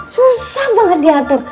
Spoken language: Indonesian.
susah banget diatur